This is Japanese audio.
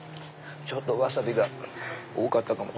ちょっとワサビが多かったかも。